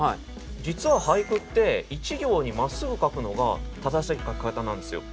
実は俳句って一行にまっすぐ書くのが正しい書き方なんですよ。